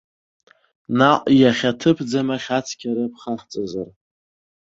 Наҟ иахьаҭыԥӡам ахь ацқьара ԥхаҳҵазар?